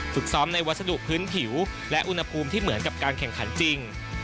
ซ้อมในวัสดุพื้นผิวและอุณหภูมิที่เหมือนกับการแข่งขันจริง